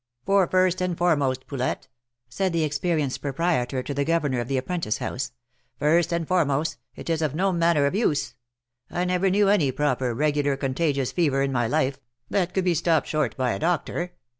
" For first and foremost, Poulet," said the experienced proprietor to the governor of the apprentice house, " first and foremost, it is of 214 THE LIFE AND ADVENTURES no manner of use. I never knew any proper, regular contagious fever in my life, that could be stopped short by a doctor.